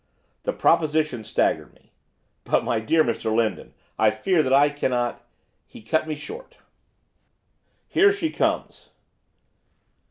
The proposition staggered me. 'But, my dear Mr Lindon, I fear that I cannot ' He cut me short. 'Here she comes!